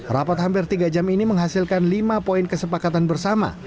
rapat hampir tiga jam ini menghasilkan lima poin kesepakatan bersama